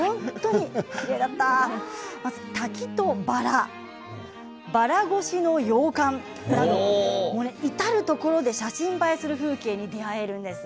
滝とバラ、バラ越しの洋館など至る所で写真映えする風景に出会えます。